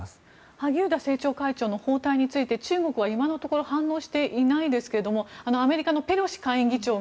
萩生田政調会長の訪台について中国は今のところ反応していないですがアメリカのペロシ下院議長が